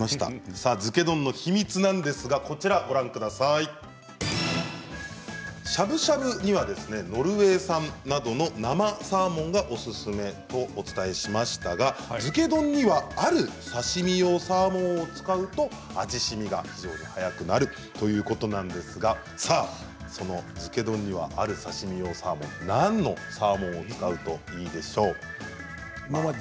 さあ、漬け丼の秘密なんですがしゃぶしゃぶにはノルウェー産などの生サーモンがおすすめとお伝えしましたが漬け丼にはある刺身用サーモンを使うと味しみが非常に早くなるということなんですが漬け丼にはある刺身用サーモン何のサーモンを使うといいでしょうか。